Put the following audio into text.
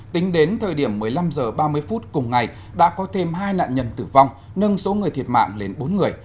tính đến thời điểm một mươi năm h ba mươi phút cùng ngày đã có thêm hai nạn nhân tử vong nâng số người thiệt mạng lên bốn người